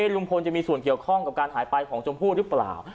ลุงพลจะมีส่วนเกี่ยวข้องกับการหายไปของชมพู่หรือเปล่า